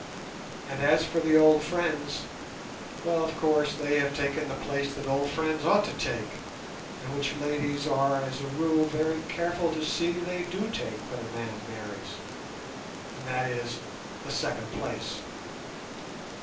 And as for the old friends—well, of course they have taken the place that old friends ought to take, and which ladies are as a rule very careful to see they do take when a man marries, and that is, the second place.